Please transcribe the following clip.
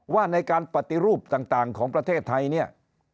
ว่าในการปฏิรูปต่างของประเทศไทยเนี่ย